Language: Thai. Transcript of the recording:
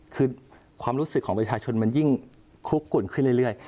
คือความรู้สึกของประชาชนมันยิ่งคลุกกุ่นขึ้นเรื่อย